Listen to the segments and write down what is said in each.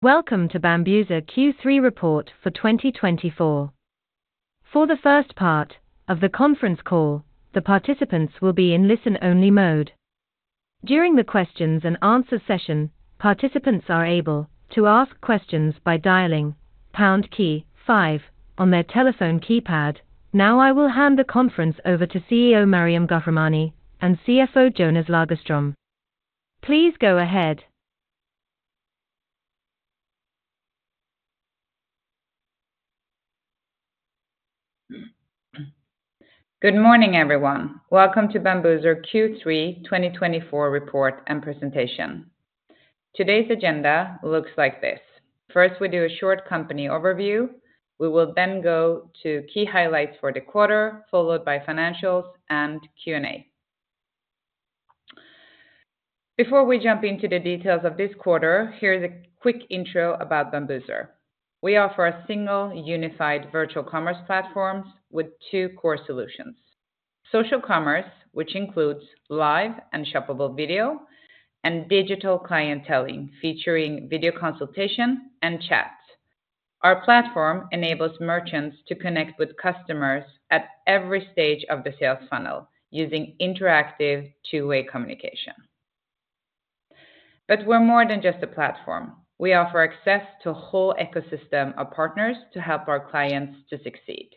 Welcome to Bambuser Q3 report for 2024. For the first part of the conference call, the participants will be in listen-only mode. During the questions and answer session, participants are able to ask questions by dialing pound key five on their telephone keypad. Now, I will hand the conference over to CEO Maryam Ghahremani and CFO Jonas Lagerström. Please go ahead. Good morning, everyone. Welcome to Bambuser Q3 2024 report and presentation. Today's agenda looks like this: First, we do a short company overview. We will then go to key highlights for the quarter, followed by financials and Q&A. Before we jump into the details of this quarter, here's a quick intro about Bambuser. We offer a single unified virtual commerce platforms with two core solutions: social commerce, which includes live and shoppable video, and digital clienteling, featuring video consultation and chats. Our platform enables merchants to connect with customers at every stage of the sales funnel using interactive two-way communication. But we're more than just a platform. We offer access to a whole ecosystem of partners to help our clients to succeed.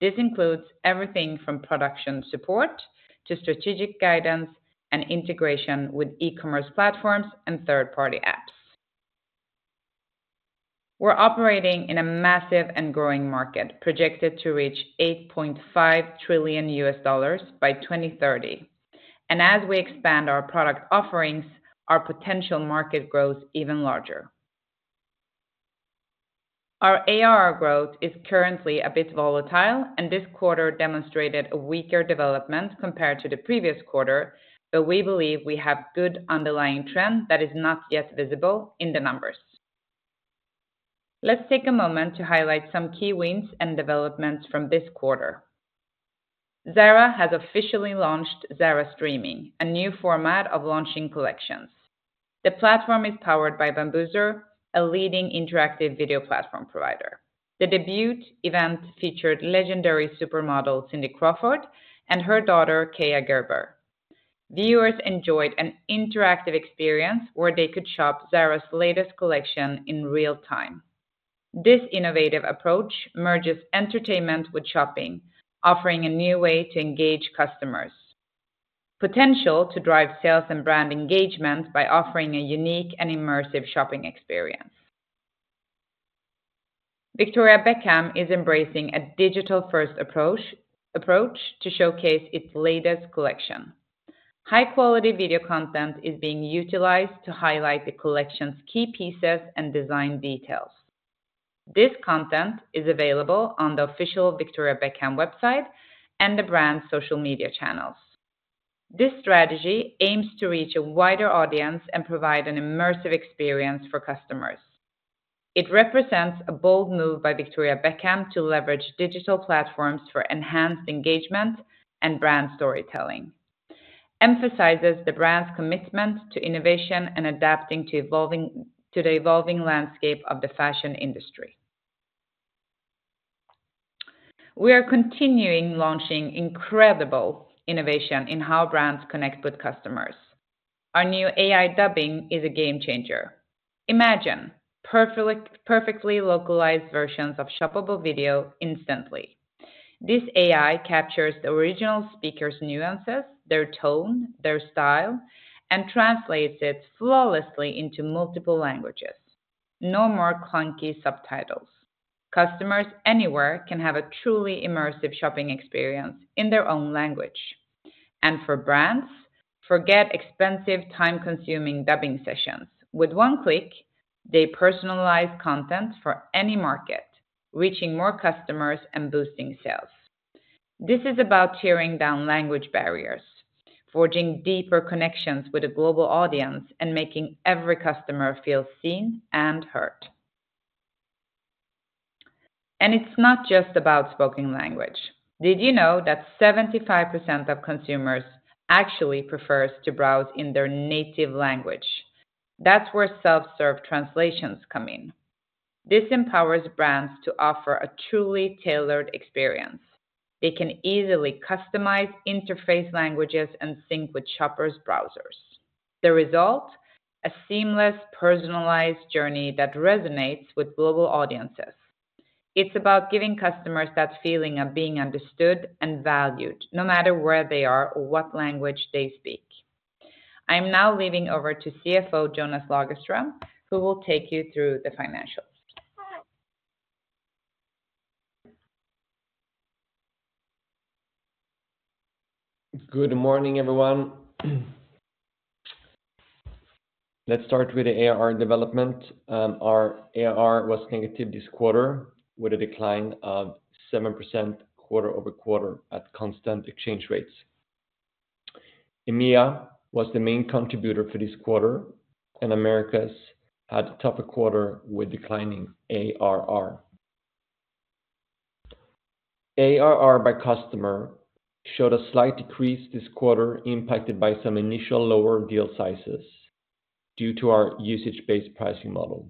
This includes everything from production support to strategic guidance and integration with e-commerce platforms and third-party apps. We're operating in a massive and growing market, projected to reach $8.5 trillion by 2030. And as we expand our product offerings, our potential market grows even larger. Our ARR growth is currently a bit volatile, and this quarter demonstrated a weaker development compared to the previous quarter, but we believe we have good underlying trend that is not yet visible in the numbers. Let's take a moment to highlight some key wins and developments from this quarter. Zara has officially launched Zara Streaming, a new format of launching collections. The platform is powered by Bambuser, a leading interactive video platform provider. The debut event featured legendary supermodel Cindy Crawford and her daughter, Kaia Gerber. Viewers enjoyed an interactive experience where they could shop Zara's latest collection in real time. This innovative approach merges entertainment with shopping, offering a new way to engage customers. Potential to drive sales and brand engagement by offering a unique and immersive shopping experience. Victoria Beckham is embracing a digital-first approach to showcase its latest collection. High-quality video content is being utilized to highlight the collection's key pieces and design details. This content is available on the official Victoria Beckham website and the brand's social media channels. This strategy aims to reach a wider audience and provide an immersive experience for customers. It represents a bold move by Victoria Beckham to leverage digital platforms for enhanced engagement and brand storytelling. It emphasizes the brand's commitment to innovation and adapting to the evolving landscape of the fashion industry. We are continuing launching incredible innovation in how brands connect with customers. Our new AI dubbing is a game changer. Imagine perfectly localized versions of shoppable video instantly. This AI captures the original speaker's nuances, their tone, their style, and translates it flawlessly into multiple languages. No more clunky subtitles. Customers anywhere can have a truly immersive shopping experience in their own language, and for brands, forget expensive, time-consuming dubbing sessions. With one click, they personalize content for any market, reaching more customers and boosting sales. This is about tearing down language barriers, forging deeper connections with a global audience, and making every customer feel seen and heard, and it's not just about spoken language. Did you know that 75% of consumers actually prefers to browse in their native language? That's where self-serve translations come in. This empowers brands to offer a truly tailored experience. They can easily customize interface languages and sync with shoppers' browsers. The result? A seamless, personalized journey that resonates with global audiences. It's about giving customers that feeling of being understood and valued, no matter where they are or what language they speak. I am now handing over to CFO, Jonas Lagerström, who will take you through the financials. Good morning, everyone. Let's start with the ARR development. Our ARR was negative this quarter, with a decline of 7% quarter over quarter at constant exchange rates. EMEA was the main contributor for this quarter, and Americas had a tougher quarter with declining ARR. ARR by customer showed a slight decrease this quarter, impacted by some initial lower deal sizes due to our usage-based pricing model.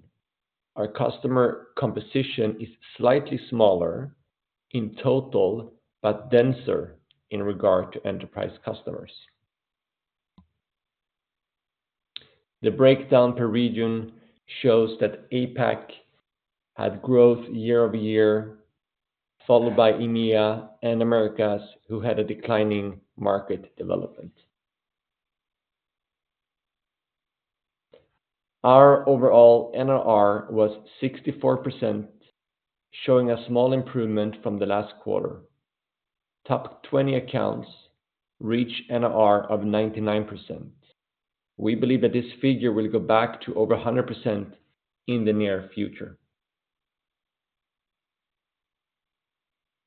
Our customer composition is slightly smaller in total, but denser in regard to enterprise customers. The breakdown per region shows that APAC had growth year-over-year, followed by EMEA and Americas, who had a declining market development. Our overall NRR was 64%, showing a small improvement from the last quarter. Top 20 accounts reach NRR of 99%. We believe that this figure will go back to over 100% in the near future.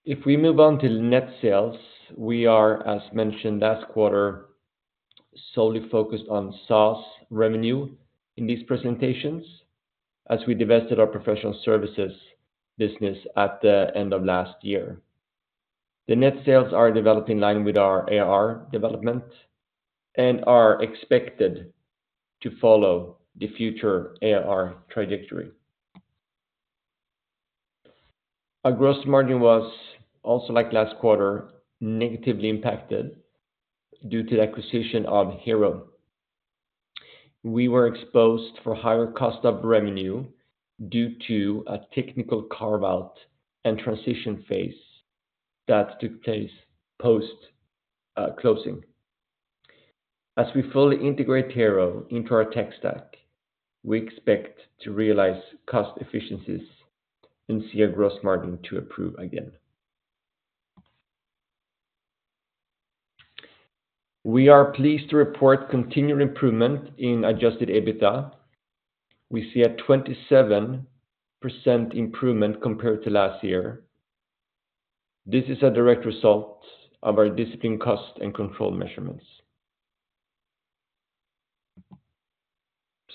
If we move on to net sales, we are, as mentioned last quarter, solely focused on SaaS revenue in these presentations, as we divested our professional services business at the end of last year. The net sales are developing in line with our ARR development and are expected to follow the future ARR trajectory. Our gross margin was also, like last quarter, negatively impacted due to the acquisition of Hero. We were exposed for higher cost of revenue due to a technical carve-out and transition phase that took place post, closing. As we fully integrate Hero into our tech stack, we expect to realize cost efficiencies and see our gross margin to improve again. We are pleased to report continued improvement in adjusted EBITDA. We see a 27% improvement compared to last year. This is a direct result of our disciplined cost and control measurements.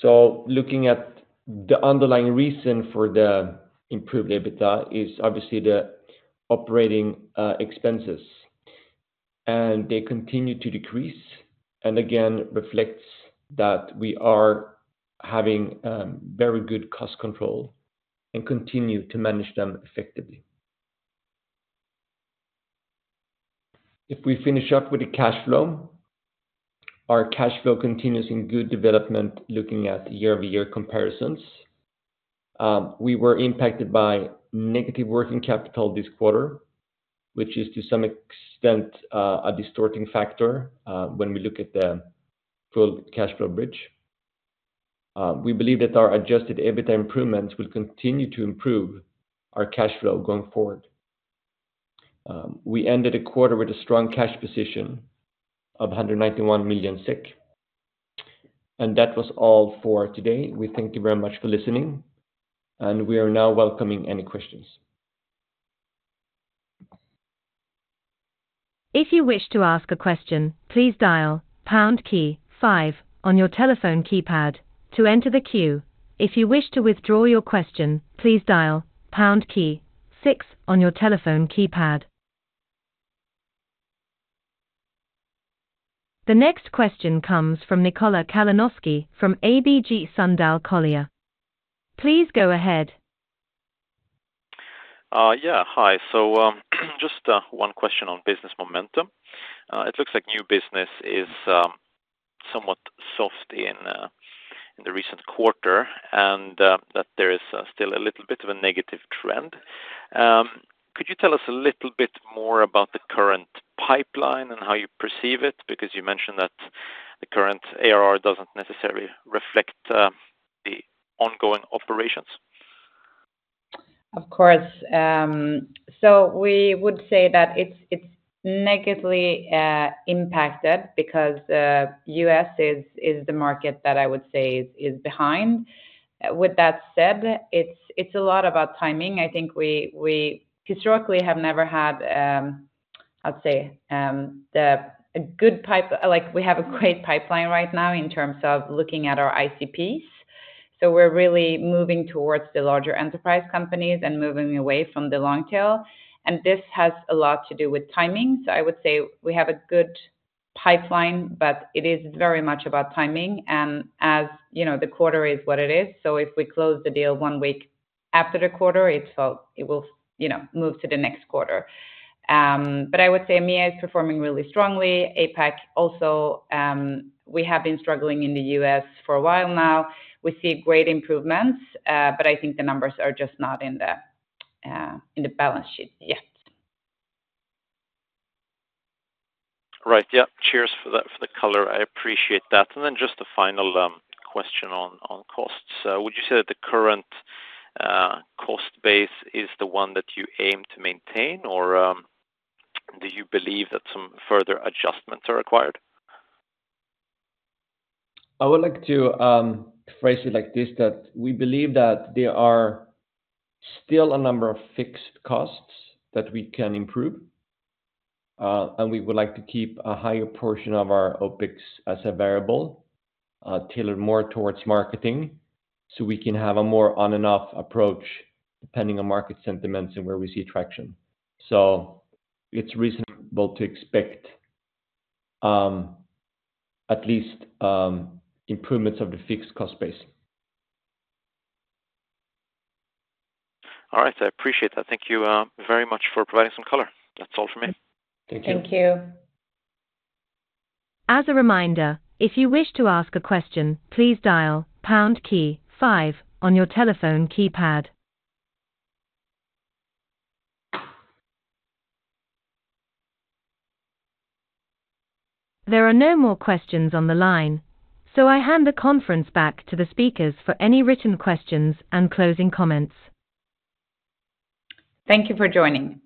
Looking at the underlying reason for the improved EBITDA is obviously the operating expenses, and they continue to decrease, and again, reflects that we are having very good cost control and continue to manage them effectively. If we finish up with the cash flow, our cash flow continues in good development looking at year-over-year comparisons. We were impacted by negative working capital this quarter, which is to some extent a distorting factor when we look at the full cash flow bridge. We believe that our adjusted EBITDA improvements will continue to improve our cash flow going forward. We ended the quarter with a strong cash position of 191 million SEK. That was all for today. We thank you very much for listening, and we are now welcoming any questions. If you wish to ask a question, please dial pound key five on your telephone keypad to enter the queue. If you wish to withdraw your question, please dial pound key six on your telephone keypad. The next question comes from Nikola Kalanoski, from ABG Sundal Collier. Please go ahead. Yeah, hi. So, just one question on business momentum. It looks like new business is somewhat soft in the recent quarter, and that there is still a little bit of a negative trend. Could you tell us a little bit more about the current pipeline and how you perceive it? Because you mentioned that the current ARR doesn't necessarily reflect the ongoing operations. Of course, so we would say that it's negatively impacted because U.S. is the market that I would say is behind. With that said, it's a lot about timing. I think we historically have never had, I'd say, a good pipeline. Like, we have a great pipeline right now in terms of looking at our ICPs, so we're really moving towards the larger enterprise companies and moving away from the long tail. And this has a lot to do with timing. So I would say we have a good pipeline, but it is very much about timing. And as you know, the quarter is what it is, so if we close the deal one week after the quarter, it will, you know, move to the next quarter. But I would say EMEA is performing really strongly, APAC also. We have been struggling in the U.S. for a while now. We see great improvements, but I think the numbers are just not in the balance sheet yet. Right. Yeah. Cheers for the color. I appreciate that. And then just a final question on costs. Would you say that the current cost base is the one that you aim to maintain, or do you believe that some further adjustments are required? I would like to phrase it like this, that we believe that there are still a number of fixed costs that we can improve, and we would like to keep a higher portion of our OpEx as a variable, tailored more towards marketing, so we can have a more on-and-off approach, depending on market sentiments and where we see traction. So it's reasonable to expect, at least, improvements of the fixed cost base. All right. I appreciate that. Thank you, very much for providing some color. That's all for me. Thank you. Thank you. As a reminder, if you wish to ask a question, please dial pound key five on your telephone keypad. There are no more questions on the line, so I hand the conference back to the speakers for any written questions and closing comments. Thank you for joining.